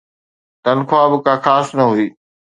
تنخواه به ڪا خاص نه هئي.